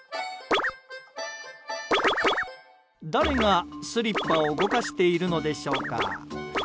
誰がスリッパを動かしているのでしょうか。